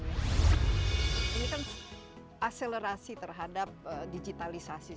ini kan aselerasi terhadap digitalisasi